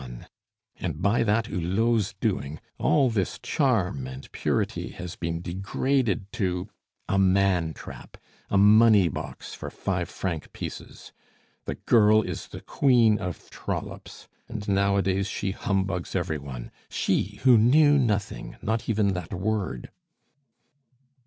And by that Hulot's doing all this charm and purity has been degraded to a man trap, a money box for five franc pieces! The girl is the Queen of Trollops; and nowadays she humbugs every one she who knew nothing, not even that word."